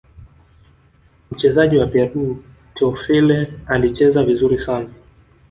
mchezaji wa peru teofile alicheza vizuri sana